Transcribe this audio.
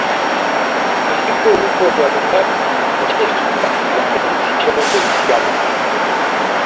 El libro hubo de anular muchas de sus páginas por decisión judicial.